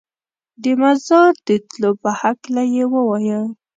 د مزار د تلو په هکله یې ووایه.